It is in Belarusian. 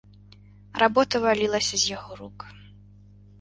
Работа валілася з яго рук.